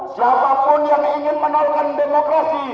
siapapun yang ingin menaikkan demokrasi